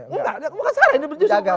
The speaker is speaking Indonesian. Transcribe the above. enggak bukan saran ini benci semua